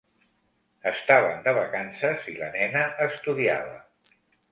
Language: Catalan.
Estaven de vacances i la nena estudiava.